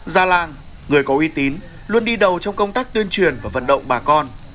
gia làng người có uy tín luôn đi đầu trong công tác tuyên truyền và vận động bà con